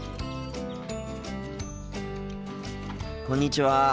こんにちは。